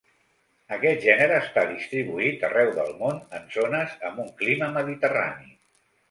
Aquest gènere està distribuït arreu del món, en zones amb un clima mediterrani.